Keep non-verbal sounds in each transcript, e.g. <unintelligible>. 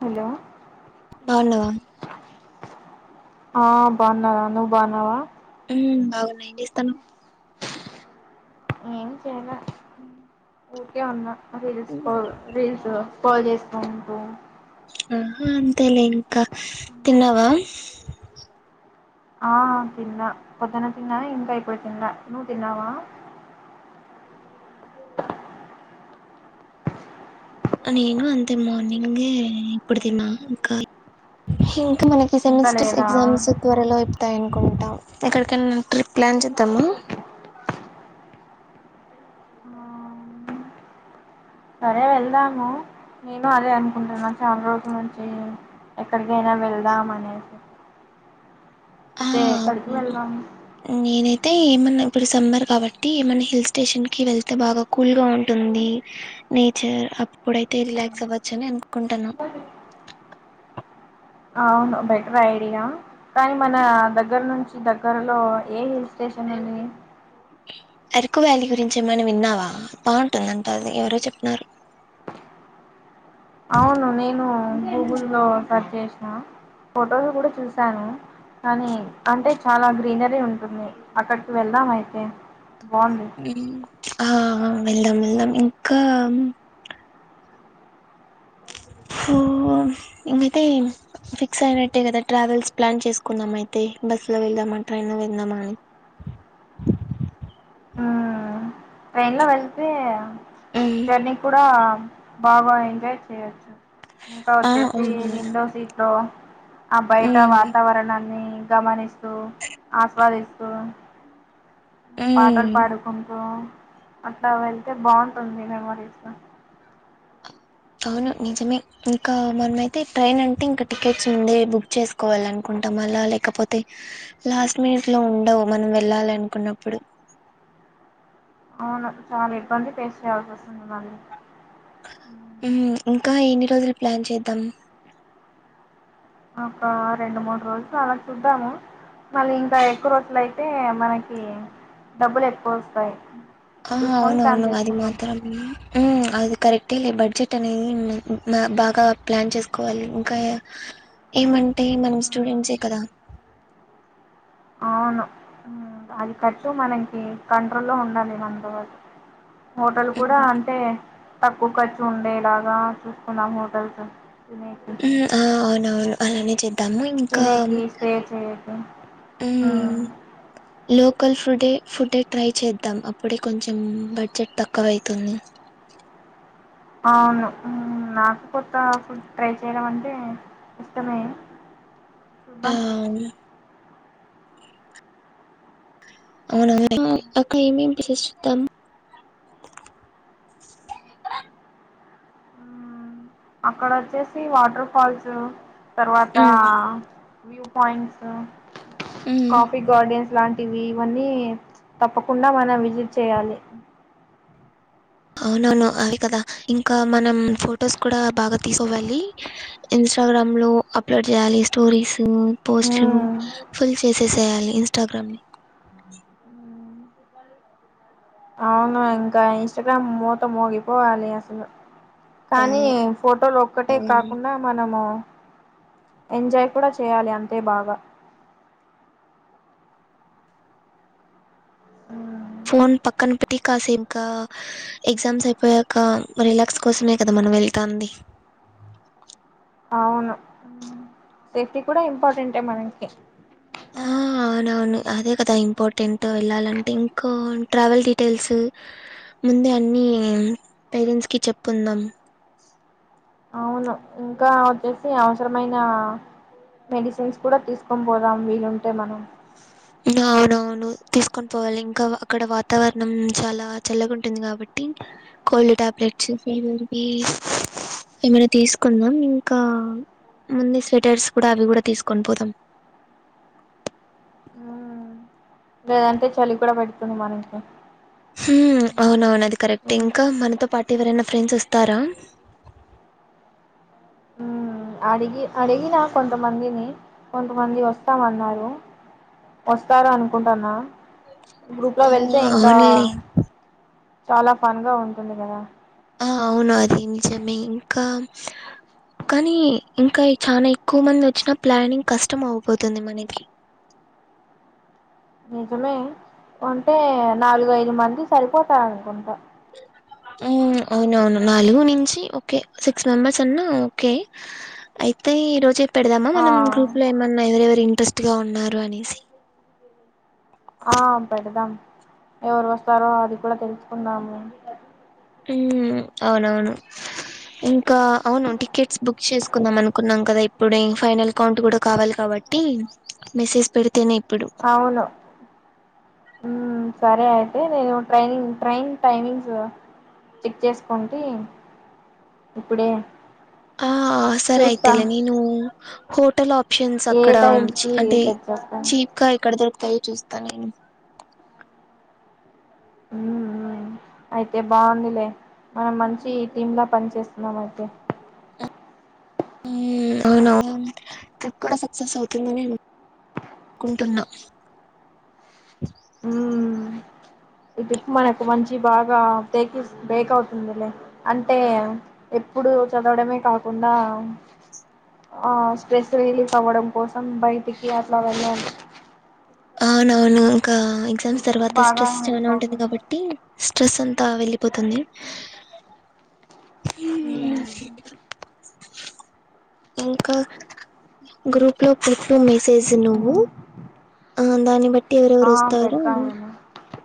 Hello బాన్నవా? ఆ బాన్నారా నువ్వు బాన్నావా? ఉమ్ బాగున్నా ఏం చేస్తాన్నవ్? ఏం చెయ్లా ఊకే ఉన్నా రీల్స్ రీల్స్ స్క్రోల్ చేసుకుంటూ ఆహ అంతేలే ఇంకా తిన్నావా? ఆ తిన్నా పొద్దున్న తిన్నా ఇంకా ఇప్పుడు తిన్లా నువ్వు తిన్నావా? నేను అంతే మార్నింగే ఇప్పుడు తిన్నా ఇంకా ఇంకా మన ఈ ఇంకా సెమిస్టర్స్ లేదా ఎగ్జామ్స్ త్వరలో వత్తాయంట్ కుంటా ఎక్కడికైనా ట్రిప్ ప్లాన్ చేద్దామ? సరే వెళ్దాము. నేను అదే అనుకుంటున్నా చాలా రోజుల నుంచి ఎక్కడికైనా వెళ్దాం అనేసి ఆ అయితే ఎక్కడికి అవును వెళ్దాం నేనైతే ఏమన్నా ఇప్పుడు సమ్మర్ కాబట్టి ఏమన్నా హిల్ స్టేషన్ కి వెళ్తే బాగా కూల్గా ఉంటుంది నేచర్ అప్పుడైతే రిలాక్స్ అవ్వచ్చు అని అనుకుంటున్నా అవును బెటర్ ఐడియా కానీ మన దగ్గర నుంచి దగ్గరలో ఏమి స్టేషన్లు ఉన్నాయి అరకు వ్యాలీ గురించి ఏమైనా విన్నావా బాగుంటుంద అంట ఎవరో చెప్నారు. అవును నేను గూగుల్లో సర్చ్ చేసిన ఫొటోలు కూడా చూసాను. కానీ అంటే చాలా గ్రీనరీ ఉంటుంది అక్కడికి వెళ్దాం అయితే బాగుంది ఆ వెళ్దాం వెళ్దాం ఇంకా అ సో ఇకయితే ఫిక్స్ అయినట్టే కదా ట్రావెల్స్ ప్లాన్ చేసుకున్నాం అయితే బస్ లో వెళ్దామా ట్రైన్ లో వెళ్దామని ట్రైన్ లో వెళ్తే జర్నీ కూడా బాగా ఎంజాయ్ చేయొచ్చు ఇంకా ఆ వచ్చేసి అవునవును విండో సీట్ లో ఆ బయట వాతావరణాన్ని గమనిస్తూ ఆస్వాదిస్త పాటలు పాడుకుంటూ అట్లా వెళ్తే బాగుంటుంది మెమరీస్ లో అవును నిజమే ఇంకా మనమైతే ట్రైన్ అంటే ఇంకా టికెట్స్ ముందే బుక్ చేసుకోవాల అనుకుంటు ఉంటాం అలా లేకపోతే లాస్ట్ మినిట్ లో ఉండవు మనం వెళ్ళాలి అనుకున్నప్పుడు అవును చాలా ఇబ్బంది పేస్ చేయాల్సి వస్తుంది మళ్ళీ హ్మ్మ్ ఇంకా ఎన్ని రోజులు ప్లాన్ చేద్దాం ఒక రెండు మూడు రోజులు అలా చూద్దాము మళ్ళ ఇంకా ఎక్కువ రోజులు అయితే మనకి డబ్బులు ఎక్కువ వస్తాయి ఆ చూసుకొని ప్లాన్ అవునవును అది చేసుకుందాం మాత్ర అది కరెక్టే లే బడ్జెట్ అనేది బాగా ప్లాన్ చేసుకోవాలి ఇంకా ఏమంటే మనం మ్మ్. స్టూడెంట్సే కదా అవును ఉ అది ఖర్చు మనకి కంట్రోల్ లో ఉండాలి <unintelligible> హోటల్ కూడా హ్మ్. అంటే తక్కువ ఖర్చు ఉండేలాగా చూసుకున్నాం హోటల్స్ తినేకి ఆ అవునవును అలానే చె అన్ని ఇంకా తినేకి స్టే చేయేకి ఉమ్ లోకల్ ఫుడే ఫుడే ట్రై చేద్దాం అప్పుడే కొంచెం బడ్జెట్ తక్కువైతుంది అవును నాకు కొత్త ఫుడ్ ట్రై చేయడం అంటే ఇష్టమే ఆ! చూద్దాం అవును. అవునవు అక్కడ ఏమి ఇష్టం అక్కడ వచ్చేసి వాటర్ ఫాల్స్ తర్వాత హ్మ్. వ్యూ పాయింట్స్ హ్మ్. కాఫీ గార్డెన్స్ ఇలాంటివి ఇవన్నీ తప్పకుండా మనం విజిట్ చేయాలి అవునవును అవి కదా ఇంకా మనం ఫొటోస్ కూడా బాగా తీసుకోవాలి ఇన్స్టాగ్రామ్ లో అప్లోడ్ చేయాలి స్టోరీస్ పోస్ట్లు హ్మ్. ఫుల్ చేసేసేయాలి ఇన్స్టా గ్రమ్ అవును ఇంకా ఇన్స్టాగ్రామ్ మూత మోగిపోవాలి అసలు ఆ కానీ ఫోటోలు ఒక్కటే అవును కాకుండా మనము ఎంజాయ్ కూడా చేయాలి అంతే బాగా హ్మ్. ఫోన్ పక్కన పెట్టి కాసేమ్కా ఎగ్జామ్స్ అయిపోయాక రిలాక్స్ కోసమే కదమ్ మన వెళ్తంది అవును సేఫ్టీ కూడా ఇంపార్టెంటే మనకి ఆ అవునవును అదే కదా ఇంపార్టెంట్ వెళ్ళాలంటే ఇంకా ట్రావెల్ డీటెల్స్ ముందే అన్ని పేరెంట్స్ కి చెప్పుకుందాం అవును ఇంకా వచ్చేసి అవసరమైన మెడిసిన్స్ కూడా తీసుకొని పోదాం వీలుంటే మనం అవునవును తీసుకొని పోవాలి ఇంకా అక్కడ వాతావరణం చాలా చల్లగాంటుంది కాబట్టి కోల్డ్ ట్యాబ్లెట్స్ ఫీవర్ వీ ఏమైనా తీసుకుందాం ఇంకా అన్ని స్వెటర్స్ కూడా అవి కూడా తీసుకొని పోదాం అ లేదంటే చలికూడా పెడుతుంది మన ఇంట్లో హ్మ్ అవునవును అది కరెక్టే ఇంకా మనతో పాటు ఎవరన్నా ఫ్రెండ్స్ వస్తారా ఉమ్, అడిగి అడిగినా కొంతమందిని కొంతమంది వస్తామన్నారు. వస్తారు అనుకుంటున్నా గ్రూప్ లో వెళ్తే ఇంకా అవునులే చాలా ఫన్‌గా ఉంటుంది కదా ఆ అవును అది నిజమే ఇంకా కానీ ఇంకా ఈ చానా ఎక్కువ మంది వచ్చినా ప్లానింగ్ కష్టం అవ్వబోతుంది మనకి అ నిజమే అంటే నాలుగు ఐదు మంది సరిపోతారు అనుకుంటా హ్మ్ అవునవును నాలుగు నుంచి ఓకే సిక్స్ మెంబర్స్ అన్నా ఓకే అయితే ఈ రోజే పెడదామా మనం ఆ గ్రూప్ లో ఏమన్నా ఎవరెవరు ఇంట్రెస్ట్ గా ఉన్నారు అనేసి ఆ పెడదాం ఎవరు వస్తారో అది కూడా తెలుసుకుందాము హ్మ్ అవునవును ఇంకా అవును టికెట్స్ బుక్ చేసుకుందామనుకున్నాం కదా ఇప్పుడే ఫైనల్ కౌంట్ కూడా కావాలి కా బట్టి మెసేజ్ పె అవును హ్మ్ సరే అ లేదు నేను ట్రైన్ ట్రైన్ టైమింగ్స్ చెక్ చేసుకుంటే ఇప్పుడే ఆ సరే చూస్తా అయితే లే నేను హోటల్ ఆ ప్షన్స్ ఏ అక్కడ టైమ్స్ కి అంటే సెట్ చేస్తాను చీప్ గా ఎక్కడ దొరుకు తయ్ చూస్తా నేను హ్మ్ హ్మ్ అయితే బాగుందిలే మనం మంచి ఈ టీమ్‌లా పని చేస్తున్నాం అయితే అ హ్మ్ అవునవును ట్రిప్ కూడా సక్సెస్ అవుతుందని నేను కుంటున్నా హ్మ్ ఇ ట్రిప్ మనకు మంచి బాగా బేక్సీ బేక్ అవుతుందిలే అంటే ఇప్పుడు చదవడమే కాకుండా ఆ స్ట్రెస్ రిలీఫ్ అవ్వడం కోసం బయిటికి అట్లా వెళ్ళిలి అవునవును ఇంకా ఎగ్జామ్స్ తర్వాత బాగా స్ట్రెస్ హెల్ప్ చానా ఉంటుంది అవుతుంది కాబట్టి స్ట్రెస్ అంతా వెళ్ళిపోతుంది హ్మ్ మ్మ్, హ్మ్ ఇంకా గ్రూప్ లో పెట్టు మెసేజ్ నువ్వు మ్మ్ ఆ దాన్ని బట్టి ఎవరెవరు ఆ వస్తారో అని పెడతాను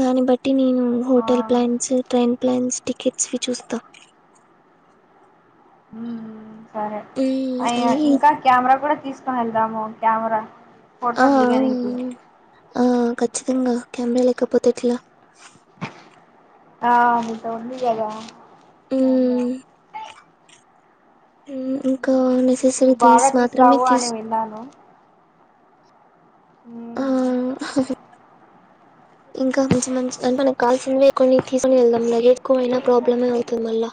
దాని బట్టి నేను ఆ హోటల్ ప్లాన్స్ ట్రైన్ ప్లాన్స్ న్స్ టికెట్స్‌వి చూస్తా హ్మ్ హ్మ్ సరే మ్మ్ అయ అలాగే ఇంకా కెమెరా కూడా తీసుకొని వెళ్దాము కామెరా ఆ ఫొటోస్ దిగనికి ఆ ఖచ్చితంగా కెమెరా లేకపోతే ఎట్లా ఆ నీతో ఉంది కదా కెమెరా హ్మ్ ఇంకా నువ్వు నెసెసరీ బాగా థింగ్స్ మాత్రమే తీస్తావు అని తీసుకో విన్నాను ఆ మ్మ్ హహ ఇంకా మంచి మంచి అంటే మనకు కావాల్సినవే కొని తీసుకని వెళ్దాంలే ఎ క్కువైనా ప్రాబ్లమే అవుతుంది మళ్ళా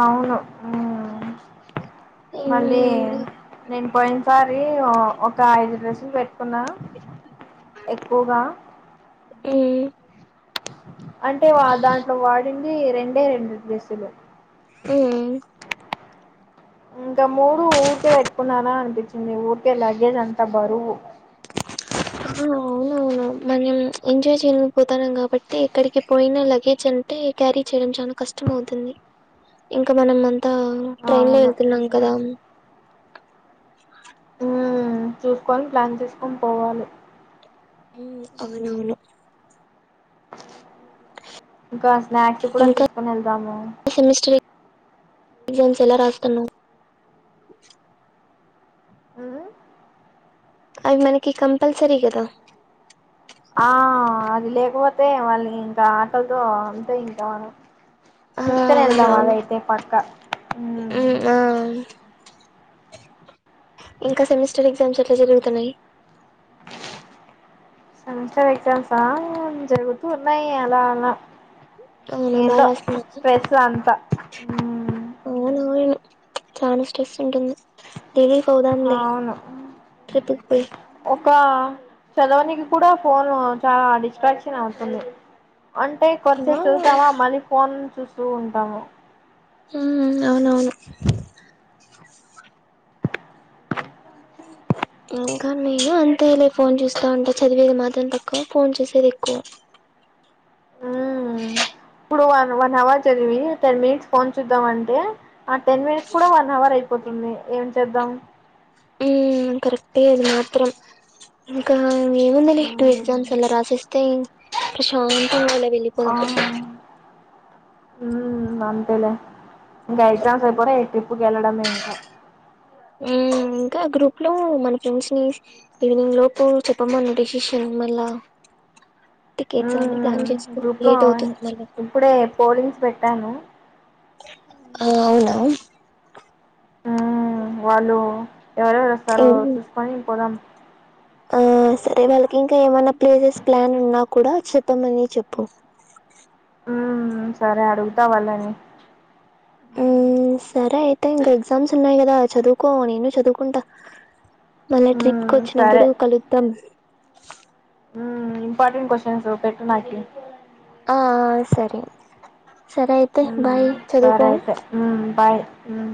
అవును ఉమ్ మ్మ్ మళ్ళీ నేను పోయిన్ సార్ రి ఓ ఒక ఐదు డ్రెస్సులు పెట్టుకున్న ఎక్కుగా ఉమ్ అంటే వా దాంట్లో వాడింది రెండే రెండు డ్రెస్సులు ఉమ్ అ ఇంకా మూడు ఊరికే పెట్టుకున్నాన అనిపిచ్చింది ఊరికే లగేజ్ అంతా బరువు ఆ అవునవును మనేం ఎంజాయ్ చేయలేక పోతాన్నాం కాబట్టి ఎక్కడికి పోయినా లగేజ్ అన్ టే క్యారీ చేయడం చాలా కష్టం అవుతుంది ఇంకా మనం మన్ త ట్రైన్ లో అవును ఎళ్తున్నాం కదా ఉమ్ చూసుకొని ప్లాన్ చేసుకొని పోవాలే ఉమ్ అవునవును ఇంకా స్నాక్స్ కూడా ఇంకా తీసుకుని ఎళ్దాము సెమిస్టర్ ఎగ్జామ్స్ ఎలా రాస్తున్నవ్? అవి మనకి కంపల్సరీ గదా ఆ అది లేకపోతే వాళ్ళు ఇంకా ఆకల్తో అంతే ఇంకా మనం ఆ తీసుకొని ఎళ్దాం అవునవును అదయితే పక్క ఉమ్ ఇంక సెమిస్టర్ ఎగ్జామ్స్ ఎట్ల జరుగుతున్నయి? సెమిస్టర్ ఎక్సమ్సా జరుగుతూ ఉన్నాయి అలా అలా అవునా బాగా ఏందో రాస్తున్నావా స్ట్రెస్ అంతా అవునూ చాన స్ట్రెస్ ఉంటుంది. తిని ఫోదంలే అవును ట్రిపిక్ పి ఒక చదవనికి కూడా ఫోను చాలా డిస్ట్రాక్షన్ అవుతుంది అంటే ఆ కొద్సేప్ చదుతామా మళ్ళీ ఫోన్ చూస్తూ ఉంటాము హ్మ్ అవునవును ఇంకా నేను అంతేలే ఫోన్ చూస్తా ఉంటా. చదివేది మాత్రం తక్కువ ఫోన్ చూసేది ఎక్కువ. మ్మ్ ఇప్పుడు వన్ వన్ హవర్ చదివి టెన్ మినిట్స్ ఫోన్ చూద్దాం అంటే ఆ టెన్ మినెట్స్ కూడా వన్ హవర్ అయి పోతుంది ఏం చేద్దాం? ఉమ్ కరెక్టే అది మాత్రం ఇంకా ఏమెగుందిలే టూ ఎక్జామ్స్ మ్మ్. అలా రాసేస్తే ప్రశాన్ తంగాలే వెళ్ళిపోదాం ఉమ్ అంతేలే ఇగ ఎగ్జామ్స్ అయిపోనయి ట్రిప్ పుకు ఎల్లడమే ఇంకా ఉమ్ ఇంకా గ్రూప్ లో మన ఫ్రెండ్స్ ని ఈవినింగ్ లోపు చెప్పమను డిషిషన్ మళ్ళ ఉమ్ చేసుకుంటే గ్రూప్ లో లేట్ అవుతుంది మళ్ళీ ఇప్పుడే పోలింగ్స్ పెట్టాను ఆ అవునా ఉమ్ వాళ్ళూ ఎవరెవరు అస్తారో చూసుకొని పోదాం ఆ సరే వాళ్ళకి ఇంకా ఏమన్నా ప్లేసెస్ ప్లాన్ ఉన్నా కూడా చెప్పమని చెప్పు ఉమ్ సరే అడుగుతా వాళ్ళని ఉమ్ సరే అయితే ఇంకా ఎగ్జామ్స్ ఉన్నాయి కదా చదువుకో నేను చదువుకుంటా మళ్ళా ట్రిప్ కు మ్మ్ సరే ఒచ్చినప్పుడు కలుద్దాం ఉమ్ ఇంపార్టెంట్ క్వశ్చన్స్ పెట్టు నాకి ఆ సరే. సరే అయితే బాయ్ చదువుకో ఉమ్